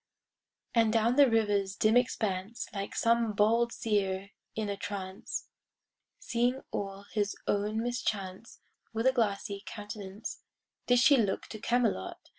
And down the river's dim expanse Like some bold seer in a trance, Seeing all his own mischance— With a glassy countenance Did she look to Camelot.